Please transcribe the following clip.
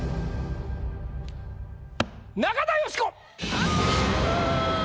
・中田喜子！